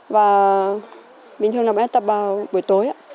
và bình thường là bọn em tập vào buổi tối á